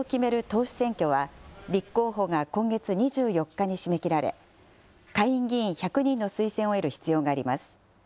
党首選挙は、立候補が今月２４日に締め切られ、下院議員１００人の推薦を得る必要があります。